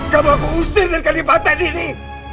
kamu akan mengusir dari kalimat ini